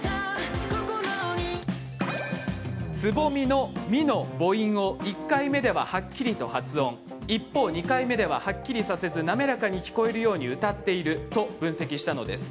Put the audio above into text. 「蕾」の「み」の母音を１回目でははっきりと発音していますが２回目では、はっきりさせず滑らかに聞こえるように歌っていると分析したのです。